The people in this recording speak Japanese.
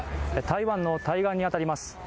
台湾の対岸に当たります。